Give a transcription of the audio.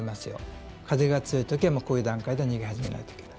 風が強い時はこういう段階で逃げ始めないといけない。